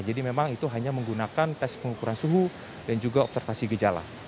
jadi memang itu hanya menggunakan tes pengukuran suhu dan juga observasi gejala